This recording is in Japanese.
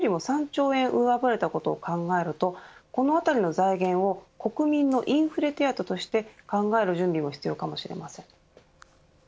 国の税収が過去最高の７１兆を超えて予想よりも３兆へ上振れたことを考えるとこのあたりの財源を国民のインフレ手当として考える準備も必要かもしれません。